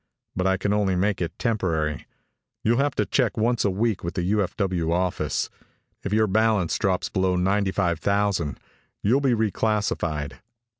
But I can only make it temporary. You'll have to check once each week with the U.F.W. office. If your balance drops below ninety five thousand, you'll be reclassified."